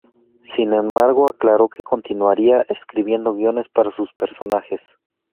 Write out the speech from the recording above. Sin embargo aclaró que continuaría escribiendo guiones para sus personajes.